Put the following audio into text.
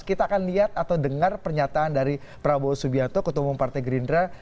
kita akan lihat atau dengar pernyataan dari prabowo subianto ketemu partai gerindra